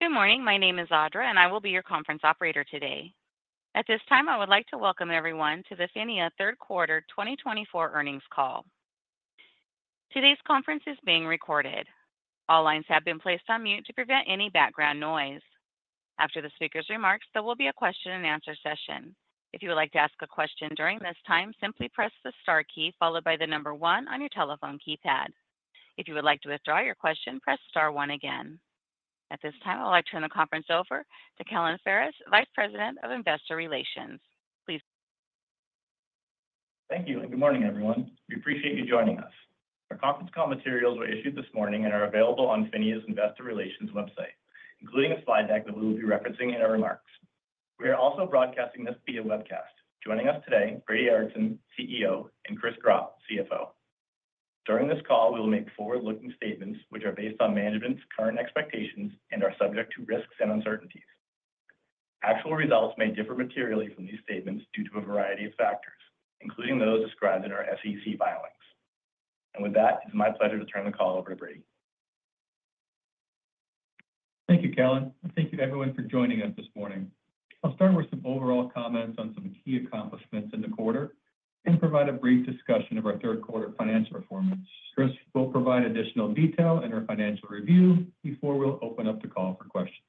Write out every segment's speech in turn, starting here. Good morning. My name is Audra, and I will be your conference operator today. At this time, I would like to welcome everyone to the PHINIA Third Quarter 2024 earnings call. Today's conference is being recorded. All lines have been placed on mute to prevent any background noise. After the speaker's remarks, there will be a question-and-answer session. If you would like to ask a question during this time, simply press the star key followed by the number one on your telephone keypad. If you would like to withdraw your question, press star one again. At this time, I would like to turn the conference over to Kellen Ferris, Vice President of Investor Relations. Please. Thank you, and good morning, everyone. We appreciate you joining us. Our conference call materials were issued this morning and are available on PHINIA's Investor Relations website, including a slide deck that we will be referencing in our remarks. We are also broadcasting this via webcast. Joining us today, Brady Ericson, CEO, and Chris Gropp, CFO. During this call, we will make forward-looking statements which are based on management's current expectations and are subject to risks and uncertainties. Actual results may differ materially from these statements due to a variety of factors, including those described in our SEC filings, and with that, it's my pleasure to turn the call over to Brady. Thank you, Kellen, and thank you, everyone, for joining us this morning. I'll start with some overall comments on some key accomplishments in the quarter and provide a brief discussion of our third quarter financial performance. Chris will provide additional detail in our financial review before we'll open up the call for questions.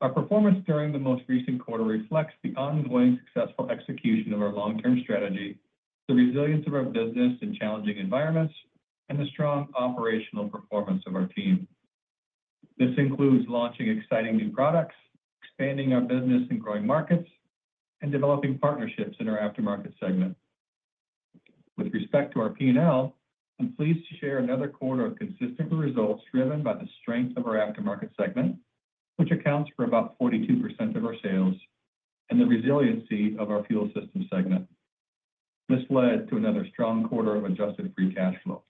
Our performance during the most recent quarter reflects the ongoing successful execution of our long-term strategy, the resilience of our business in challenging environments, and the strong operational performance of our team. This includes launching exciting new products, expanding our business in growing markets, and developing partnerships in our aftermarket segment. With respect to our P&L, I'm pleased to share another quarter of consistent results driven by the strength of our aftermarket segment, which accounts for about 42% of our sales, and the resiliency of our fuel system segment. This led to another strong quarter of adjusted free cash flow.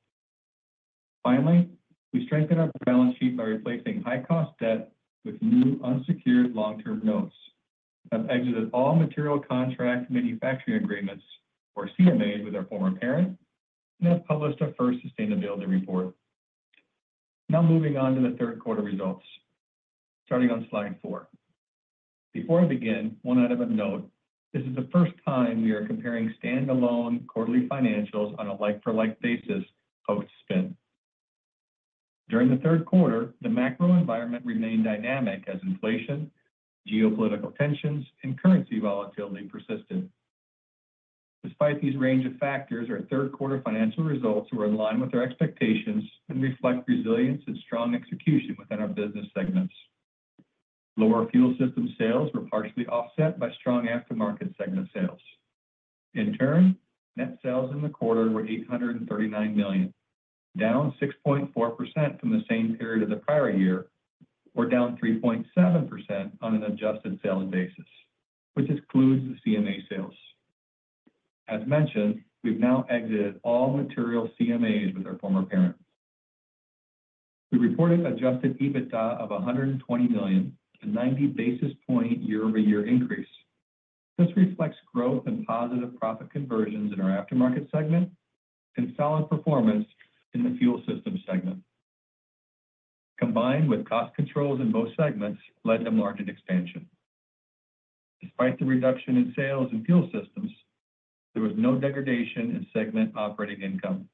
Finally, we strengthened our balance sheet by replacing high-cost debt with new unsecured long-term notes, have exited all material contract manufacturing agreements, or CMAs, with our former parent, and have published our first sustainability report. Now, moving on to the third quarter results, starting on slide four. Before I begin, one item of note: this is the first time we are comparing standalone quarterly financials on a like-for-like basis post-spin. During the third quarter, the macro environment remained dynamic as inflation, geopolitical tensions, and currency volatility persisted. Despite these range of factors, our third quarter financial results were in line with our expectations and reflect resilience and strong execution within our business segments. Lower fuel system sales were partially offset by strong aftermarket segment sales. In turn, net sales in the quarter were $839 million, down 6.4% from the same period of the prior year, or down 3.7% on an adjusted sales basis, which excludes the CMA sales. As mentioned, we've now exited all material CMAs with our former parent. We reported Adjusted EBITDA of $120 million, a 90 basis point year-over-year increase. This reflects growth and positive profit conversions in our aftermarket segment and solid performance in the fuel system segment. Combined with cost controls in both segments led to margin expansion. Despite the reduction in sales in fuel systems, there was no degradation in segment operating income.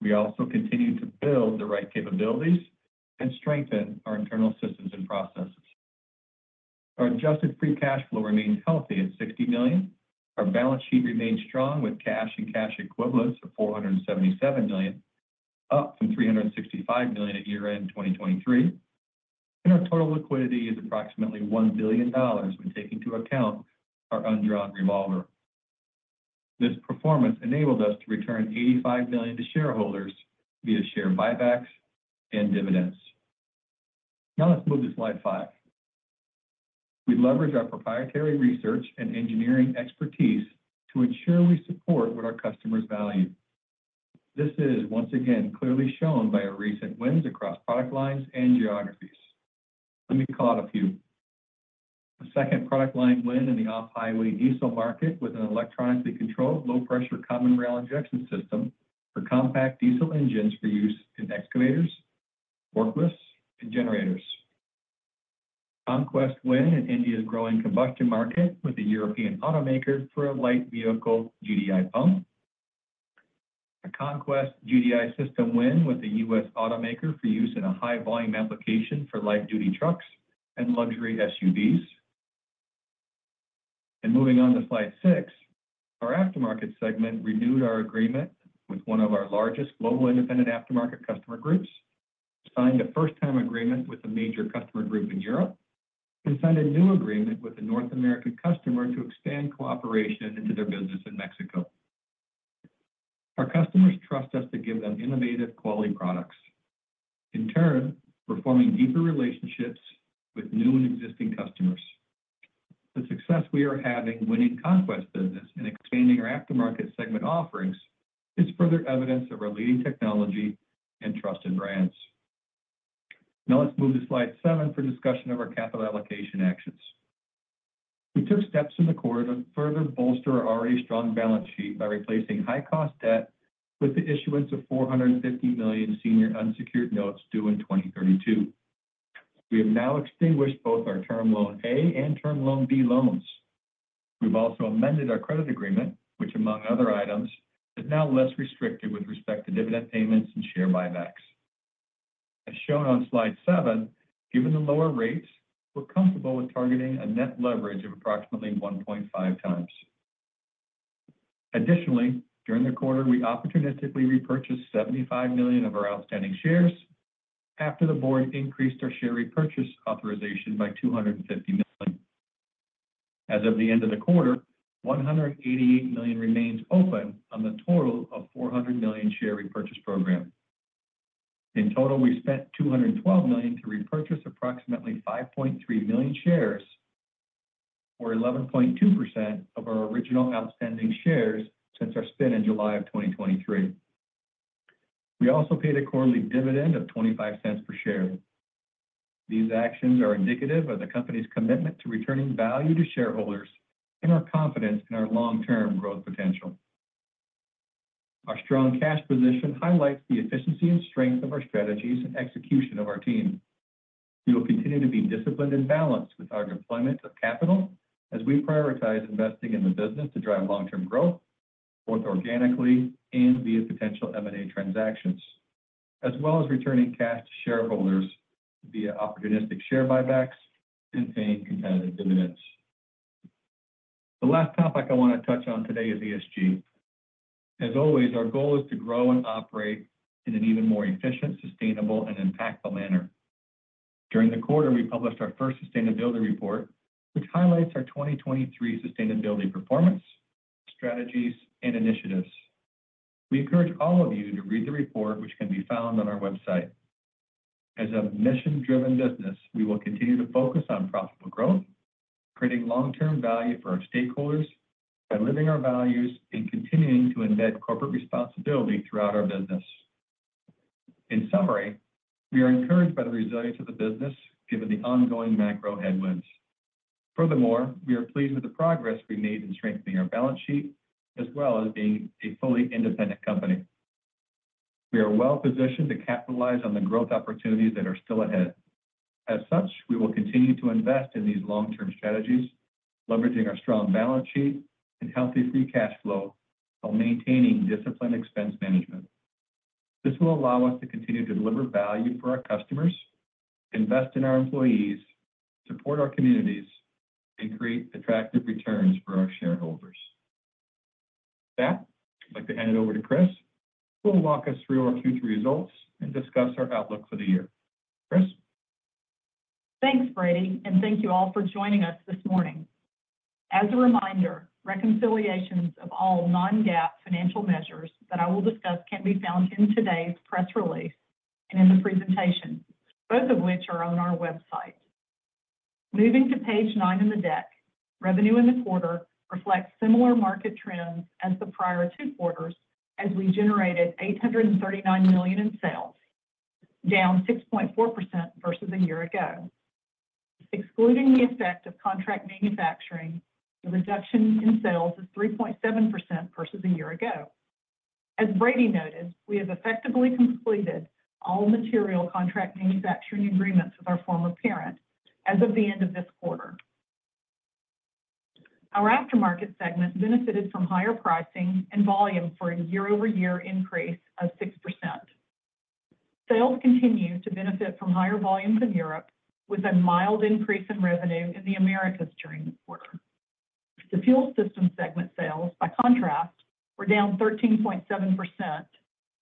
We also continued to build the right capabilities and strengthen our internal systems and processes. Our Adjusted free cash flow remained healthy at $60 million. Our balance sheet remained strong with cash and cash equivalents of $477 million, up from $365 million at year-end 2023, and our total liquidity is approximately $1 billion when taking into account our undrawn revolver. This performance enabled us to return $85 million to shareholders via share buybacks and dividends. Now, let's move to slide five. We leverage our proprietary research and engineering expertise to ensure we support what our customers value. This is, once again, clearly shown by our recent wins across product lines and geographies. Let me call out a few. A second product line win in the off-highway diesel market with an electronically controlled low-pressure common rail injection system for compact diesel engines for use in excavators, forklifts, and generators. Conquest win in India's growing combustion market with a European automaker for a light vehicle GDI pump. A conquest GDI system win with a U.S. automaker for use in a high-volume application for light-duty trucks and luxury SUVs, and moving on to slide six, our aftermarket segment renewed our agreement with one of our largest global independent aftermarket customer groups, signed a first-time agreement with a major customer group in Europe, and signed a new agreement with a North American customer to expand cooperation into their business in Mexico. Our customers trust us to give them innovative, quality products. In turn, we're forming deeper relationships with new and existing customers. The success we are having winning conquest business and expanding our aftermarket segment offerings is further evidence of our leading technology and trusted brands. Now, let's move to slide seven for discussion of our capital allocation actions. We took steps in the quarter to further bolster our already strong balance sheet by replacing high-cost debt with the issuance of $450 million senior unsecured notes due in 2032. We have now extinguished both our Term Loan A and Term Loan B loans. We've also amended our credit agreement, which, among other items, is now less restricted with respect to dividend payments and share buybacks. As shown on slide seven, given the lower rates, we're comfortable with targeting a net leverage of approximately 1.5 times. Additionally, during the quarter, we opportunistically repurchased 75 million of our outstanding shares after the board increased our share repurchase authorization by 250 million. As of the end of the quarter, 188 million remains open on the total of 400 million share repurchase program. In total, we spent $212 million to repurchase approximately 5.3 million shares, or 11.2% of our original outstanding shares since our spin in July of 2023. We also paid a quarterly dividend of $0.25 per share. These actions are indicative of the company's commitment to returning value to shareholders and our confidence in our long-term growth potential. Our strong cash position highlights the efficiency and strength of our strategies and execution of our team. We will continue to be disciplined and balanced with our deployment of capital as we prioritize investing in the business to drive long-term growth both organically and via potential M&A transactions, as well as returning cash to shareholders via opportunistic share buybacks and paying competitive dividends. The last topic I want to touch on today is ESG. As always, our goal is to grow and operate in an even more efficient, sustainable, and impactful manner. During the quarter, we published our first sustainability report, which highlights our 2023 sustainability performance, strategies, and initiatives. We encourage all of you to read the report, which can be found on our website. As a mission-driven business, we will continue to focus on profitable growth, creating long-term value for our stakeholders by living our values and continuing to embed corporate responsibility throughout our business. In summary, we are encouraged by the resilience of the business given the ongoing macro headwinds. Furthermore, we are pleased with the progress we made in strengthening our balance sheet as well as being a fully independent company. We are well-positioned to capitalize on the growth opportunities that are still ahead. As such, we will continue to invest in these long-term strategies, leveraging our strong balance sheet and healthy free cash flow while maintaining disciplined expense management. This will allow us to continue to deliver value for our customers, invest in our employees, support our communities, and create attractive returns for our shareholders. With that, I'd like to hand it over to Chris, who will walk us through our future results and discuss our outlook for the year. Chris? Thanks, Brady, and thank you all for joining us this morning. As a reminder, reconciliations of all non-GAAP financial measures that I will discuss can be found in today's press release and in the presentation, both of which are on our website. Moving to page nine in the deck, revenue in the quarter reflects similar market trends as the prior two quarters as we generated $839 million in sales, down 6.4% versus a year ago. Excluding the effect of contract manufacturing, the reduction in sales is 3.7% versus a year ago. As Brady noted, we have effectively completed all material contract manufacturing agreements with our former parent as of the end of this quarter. Our aftermarket segment benefited from higher pricing and volume for a year-over-year increase of 6%. Sales continue to benefit from higher volumes in Europe, with a mild increase in revenue in the Americas during the quarter. The fuel system segment sales, by contrast, were down 13.7%,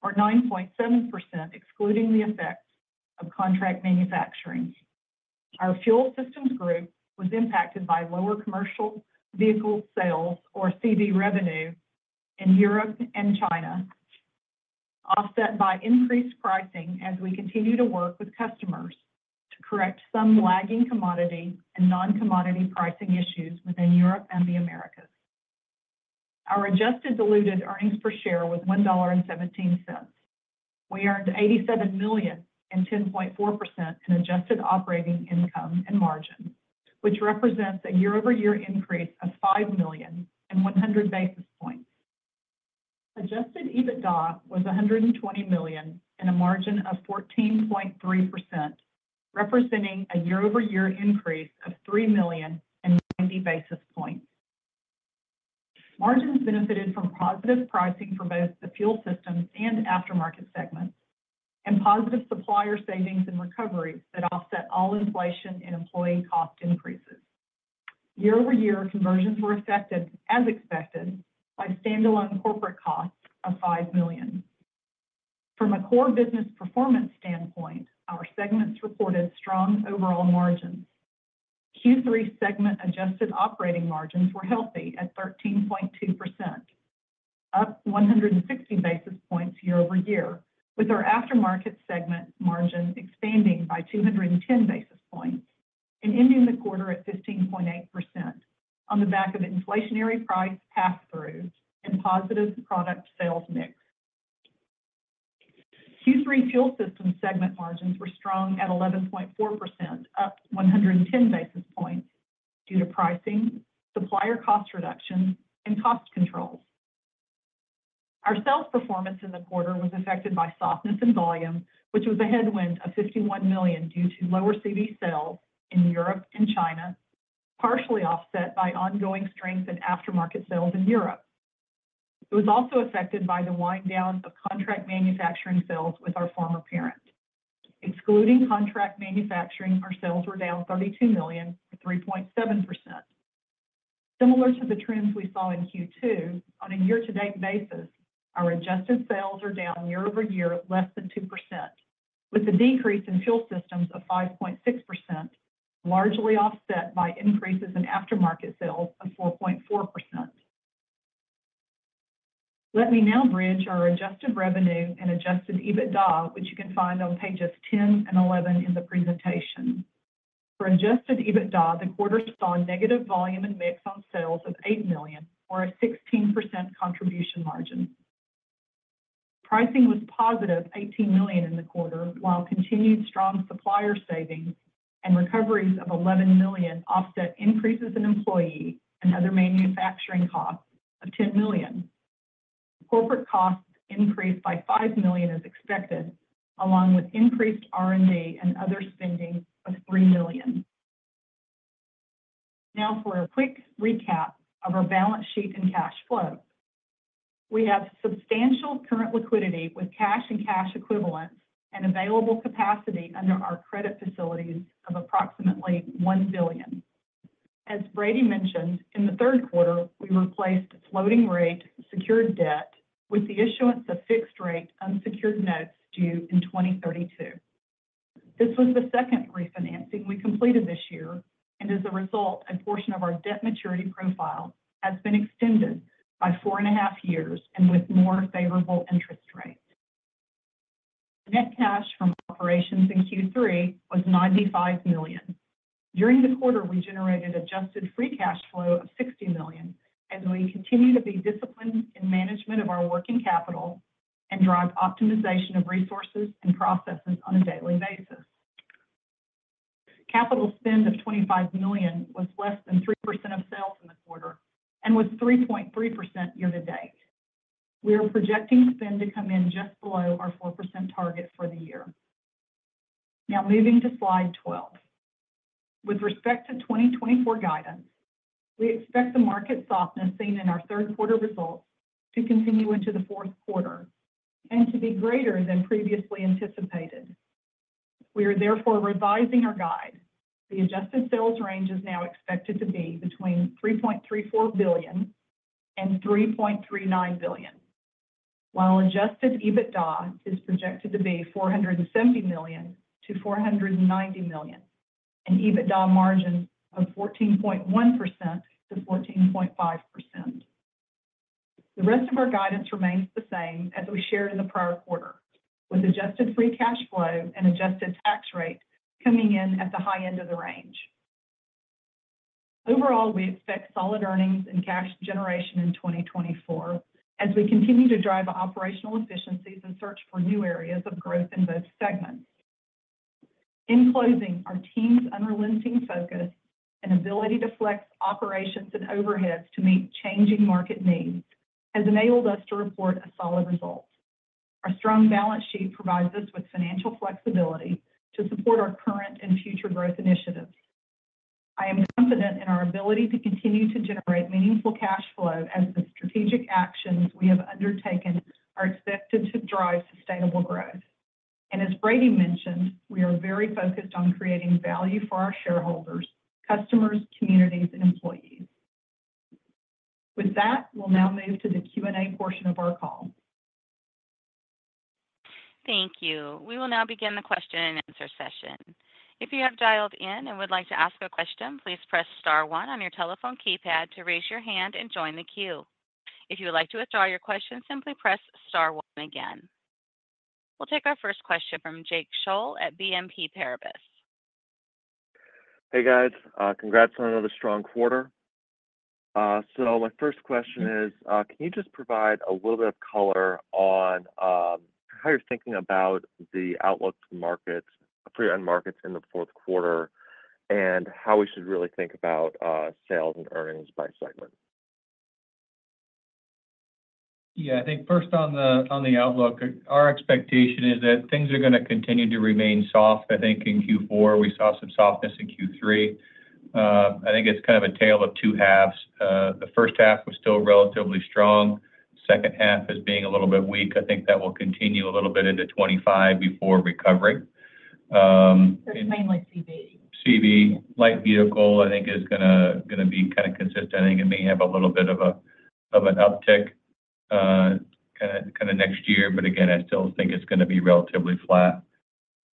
or 9.7% excluding the effects of contract manufacturing. Our fuel systems group was impacted by lower commercial vehicle sales, or CV revenue, in Europe and China, offset by increased pricing as we continue to work with customers to correct some lagging commodity and non-commodity pricing issues within Europe and the Americas. Our adjusted diluted earnings per share was $1.17. We earned $87 million and 10.4% in adjusted operating income and margin, which represents a year-over-year increase of $5 million and 100 basis points. Adjusted EBITDA was $120 million and a margin of 14.3%, representing a year-over-year increase of $3 million and 90 basis points. Margins benefited from positive pricing for both the fuel systems and aftermarket segments and positive supplier savings and recoveries that offset all inflation and employee cost increases. Year-over-year conversions were affected, as expected, by standalone corporate costs of $5 million. From a core business performance standpoint, our segments reported strong overall margins. Q3 segment adjusted operating margins were healthy at 13.2%, up 160 basis points year-over-year, with our aftermarket segment margin expanding by 210 basis points and ending the quarter at 15.8% on the back of inflationary price pass-through and positive product sales mix. Q3 fuel system segment margins were strong at 11.4%, up 110 basis points due to pricing, supplier cost reduction, and cost controls. Our sales performance in the quarter was affected by softness in volume, which was a headwind of $51 million due to lower CV sales in Europe and China, partially offset by ongoing strength in aftermarket sales in Europe. It was also affected by the wind-down of contract manufacturing sales with our former parent. Excluding contract manufacturing, our sales were down $32 million or 3.7%. Similar to the trends we saw in Q2, on a year-to-date basis, our adjusted sales are down year-over-year less than 2%, with a decrease in fuel systems of 5.6%, largely offset by increases in aftermarket sales of 4.4%. Let me now bridge our adjusted revenue and Adjusted EBITDA, which you can find on pages 10 and 11 in the presentation. For Adjusted EBITDA, the quarter saw negative volume and mix on sales of $8 million, or a 16% contribution margin. Pricing was positive $18 million in the quarter, while continued strong supplier savings and recoveries of $11 million offset increases in employee and other manufacturing costs of $10 million. Corporate costs increased by $5 million as expected, along with increased R&D and other spending of $3 million. Now, for a quick recap of our balance sheet and cash flow. We have substantial current liquidity with cash and cash equivalents and available capacity under our credit facilities of approximately $1 billion. As Brady mentioned, in the third quarter, we replaced floating rate secured debt with the issuance of fixed-rate unsecured notes due in 2032. This was the second refinancing we completed this year, and as a result, a portion of our debt maturity profile has been extended by four and a half years and with more favorable interest rates. Net cash from operations in Q3 was $95 million. During the quarter, we generated adjusted free cash flow of $60 million as we continue to be disciplined in management of our working capital and drive optimization of resources and processes on a daily basis. Capital spend of $25 million was less than 3% of sales in the quarter and was 3.3% year-to-date. We are projecting spend to come in just below our 4% target for the year. Now, moving to slide 12. With respect to 2024 guidance, we expect the market softness seen in our third quarter results to continue into the fourth quarter and to be greater than previously anticipated. We are therefore revising our guide. The adjusted sales range is now expected to be between $3.34 billion and $3.39 billion, while adjusted EBITDA is projected to be $470 million to $490 million, an EBITDA margin of 14.1% to 14.5%. The rest of our guidance remains the same as we shared in the prior quarter, with adjusted free cash flow and adjusted tax rate coming in at the high end of the range. Overall, we expect solid earnings and cash generation in 2024 as we continue to drive operational efficiencies and search for new areas of growth in both segments. In closing, our team's unrelenting focus and ability to flex operations and overheads to meet changing market needs has enabled us to report a solid result. Our strong balance sheet provides us with financial flexibility to support our current and future growth initiatives. I am confident in our ability to continue to generate meaningful cash flow as the strategic actions we have undertaken are expected to drive sustainable growth. And as Brady mentioned, we are very focused on creating value for our shareholders, customers, communities, and employees. With that, we'll now move to the Q&A portion of our call. Thank you. We will now begin the question-and-answer session. If you have dialed in and would like to ask a question, please press star one on your telephone keypad to raise your hand and join the queue. If you would like to withdraw your question, simply press star one again. We'll take our first question from Jake Scholl at BNP Paribas. Hey, guys. Congrats on another strong quarter. So my first question is, can you just provide a little bit of color on how you're thinking about the outlook for markets in the fourth quarter and how we should really think about sales and earnings by segment? Yeah, I think first on the outlook, our expectation is that things are going to continue to remain soft. I think in Q4, we saw some softness in Q3. I think it's kind of a tale of two halves. The first half was still relatively strong. The second half is being a little bit weak. I think that will continue a little bit into 2025 before recovering. That's mainly CV. CV. Light vehicle, I think, is going to be kind of consistent. I think it may have a little bit of an uptick kind of next year. But again, I still think it's going to be relatively flat.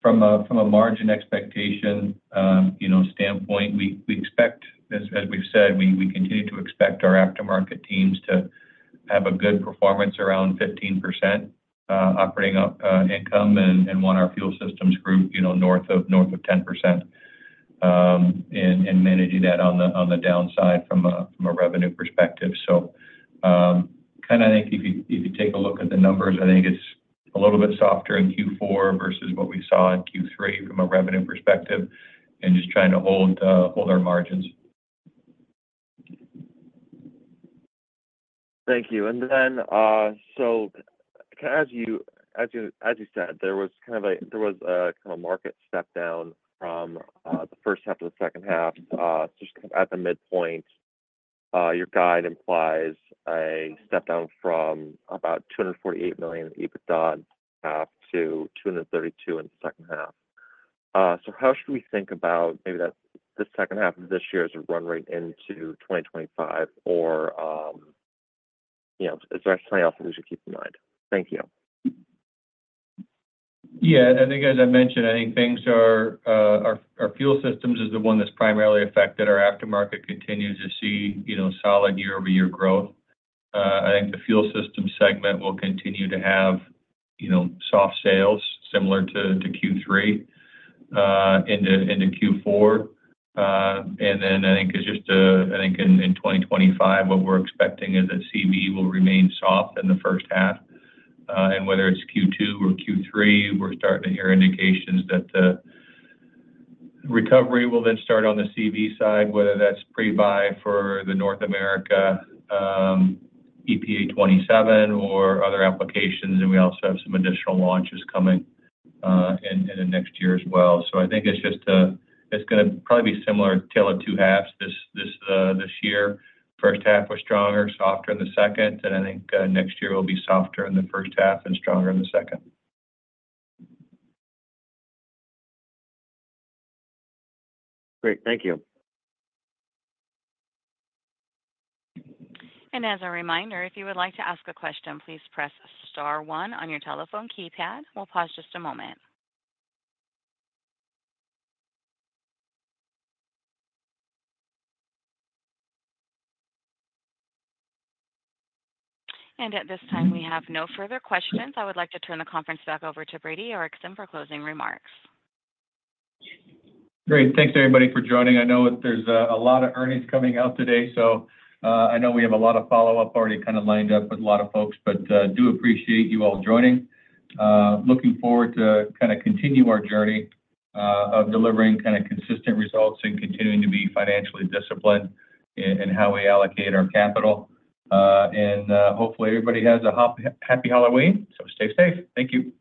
From a margin expectation standpoint, we expect, as we've said, we continue to expect our aftermarket teams to have a good performance around 15% operating income and want our fuel systems group north of 10% and managing that on the downside from a revenue perspective. So kind of, I think if you take a look at the numbers, I think it's a little bit softer in Q4 versus what we saw in Q3 from a revenue perspective and just trying to hold our margins. Thank you. And then, so as you said, there was kind of a market step down from the first half to the second half. Just kind of at the midpoint, your guide implies a step down from about $248 million EBITDA to $232 million in the second half. So how should we think about maybe the second half of this year as we run right into 2025? Or is there anything else that we should keep in mind? Thank you. Yeah. I think, as I mentioned, I think things are our fuel systems is the one that's primarily affected. Our aftermarket continues to see solid year-over-year growth. I think the fuel system segment will continue to have soft sales similar to Q3 into Q4. And then I think it's just I think in 2025, what we're expecting is that CV will remain soft in the first half. And whether it's Q2 or Q3, we're starting to hear indications that the recovery will then start on the CV side, whether that's pre-buy for the North America EPA 27 or other applications. And we also have some additional launches coming in the next year as well. So I think it's just it's going to probably be similar tale of two halves this year. First half was stronger, softer in the second. I think next year will be softer in the first half and stronger in the second. Great. Thank you. As a reminder, if you would like to ask a question, please press star one on your telephone keypad. We'll pause just a moment. At this time, we have no further questions. I would like to turn the conference back over to Brady Ericson for closing remarks. Great. Thanks, everybody, for joining. I know there's a lot of earnings coming out today. So I know we have a lot of follow-up already kind of lined up with a lot of folks, but do appreciate you all joining. Looking forward to kind of continue our journey of delivering kind of consistent results and continuing to be financially disciplined in how we allocate our capital, and hopefully, everybody has a happy Halloween, so stay safe. Thank you.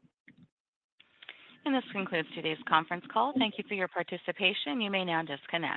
This concludes today's conference call. Thank you for your participation. You may now disconnect.